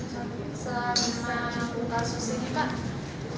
selama kasus ini pak